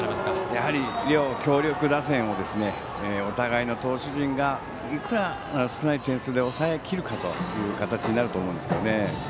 やはり両強力打線をお互いの投手陣がいくら少ない点数で抑えきるかという形になると思うんですけどね。